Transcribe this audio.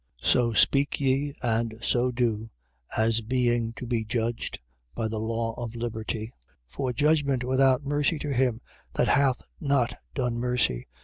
2:12. So speak ye and so do, as being to be judged by the law of liberty. 2:13. For judgment without mercy to him that hath not done mercy.